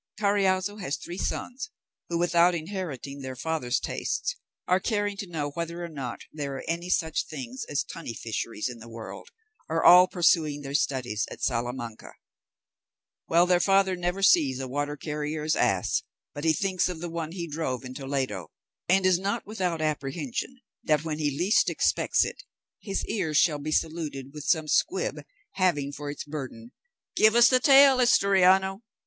Carriazo has three sons, who, without inheriting their father's tastes, or caring to know whether or not there are any such things as tunny fisheries in the world, are all pursuing their studies at Salamanca; whilst their father never sees a water carrier's ass but he thinks of the one he drove in Toledo, and is not without apprehension that, when he least expects it, his ears shall be saluted with some squib having for its burden, "Give us the tail, Asturiano!